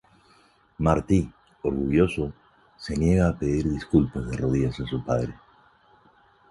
Martí, orgulloso, se niega a pedir disculpas de rodillas a su padre.